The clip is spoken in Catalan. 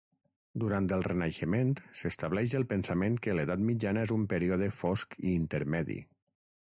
Durant el Renaixement s'estableix el pensament que l'edat mitjana és un període fosc i intermedi.